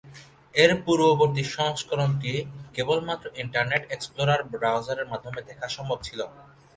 এর পূর্ববর্তী সংস্করণটি কেবলমাত্র ইন্টারনেট এক্সপ্লোরার ব্রাউজারের মাধ্যমে দেখা সম্ভব ছিল।